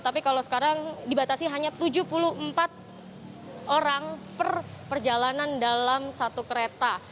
tapi kalau sekarang dibatasi hanya tujuh puluh empat orang per perjalanan dalam satu kereta